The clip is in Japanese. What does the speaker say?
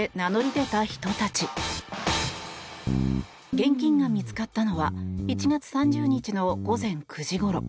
現金が見つかったのは１月３０日の午前９時ごろ。